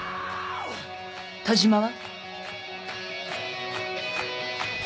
田島は？